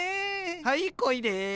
はいこいで。